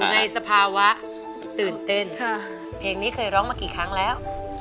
สภาวะตื่นเต้นเพลงนี้เคยร้องมากี่ครั้งแล้ว